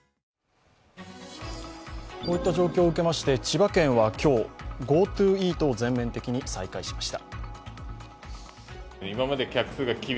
こういった状況を受けまして千葉県は今日ＧｏＴｏイートを全面的に再開しました。